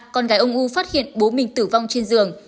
con gái ông u phát hiện bố mình tử vong trên giường